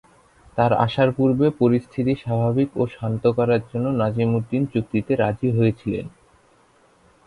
তার আসার পূর্বে পরিস্থিতি স্বাভাবিক ও শান্ত করার জন্য নাজিমুদ্দিন চুক্তিতে রাজি হয়েছিলেন।